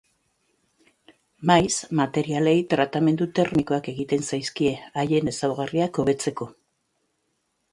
Maiz, materialei tratamendu termikoak egiten zaizkie, haien ezaugarriak hobetzeko.